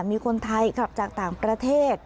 มีคนไทยกลับจากต่างประเทศ